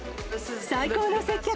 最高の接客。